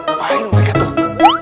apaan mereka tuh